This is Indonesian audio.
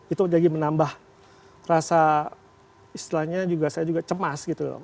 itu jadi menambah rasa istilahnya saya juga cemas gitu